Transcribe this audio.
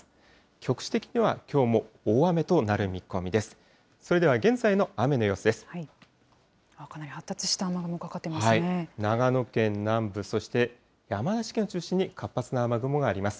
局地的ではきょうも大雨となる見込みです。